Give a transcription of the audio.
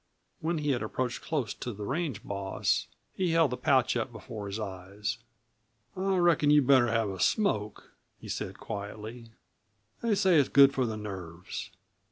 When he had approached close to the range boss he held the pouch up before his eyes. "I reckon you'd better have a smoke," he said quietly; "they say it's good for the nerves."